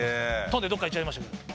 飛んでどっか行っちゃいましたけど。